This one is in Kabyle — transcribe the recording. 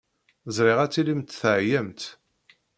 Ẓriɣ ad tilimt teɛyamt.